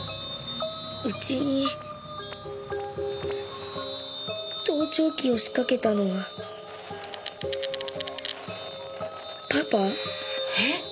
うちに盗聴器を仕掛けたのはパパ？え？